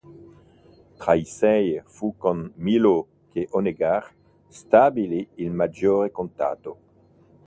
Tra i sei, fu con Milhaud che Honegger stabilì il maggior contatto.